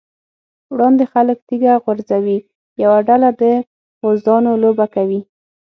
وړاندې خلک تيږه غورځوي، یوه ډله د غوزانو لوبه کوي.